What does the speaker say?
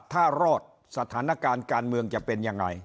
ถ้ารอดสถานการณ์การเมืองจะเป็นยังไง